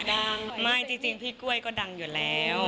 ดังไม่จริงพี่กล้วยก็ดังอยู่แล้ว